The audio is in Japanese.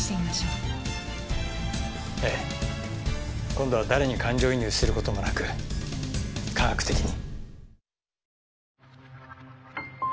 今度は誰に感情移入する事もなく科学的に。